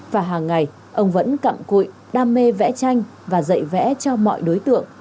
và hàng ngày ông vẫn cặm cụi đam mê vẽ tranh và dạy vẽ cho mọi đối tượng